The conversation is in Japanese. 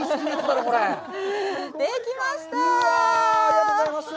できました！